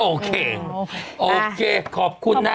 โอเคโอเคขอบคุณนะ